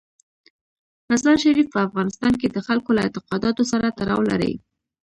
مزارشریف په افغانستان کې د خلکو له اعتقاداتو سره تړاو لري.